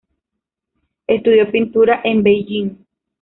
Estudió pintura en Beijing.